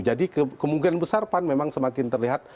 jadi kemungkinan besar pan memang semakin terlihat